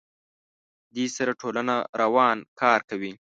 دې سره ټولنه روان کار کوي.